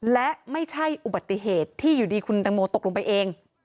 และไม่ใช่อุบัติเหตุที่อยู่ดีคุณตังโมตกลงไปเอง